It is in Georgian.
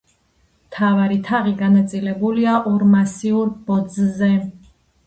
მთავარი თაღი განაწილებულია ორ მასიურ ბოძზე.